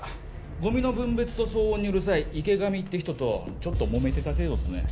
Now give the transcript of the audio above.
ゴミの分別と騒音にうるさい池上って人とちょっともめてた程度っすね。